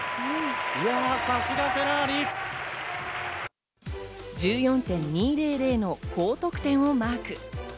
さすがフェラーリ。１４．２００の高得点をマーク。